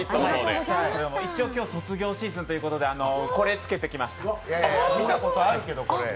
一応、卒業シーズンということでこれつけてきました。